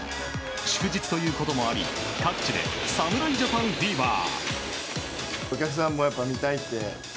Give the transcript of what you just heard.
祝日ということもあり、各地で侍ジャパンフィーバー。